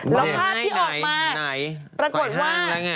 แล้วภาพที่ออกมาปรากฏว่าไข่ห้างแล้วไง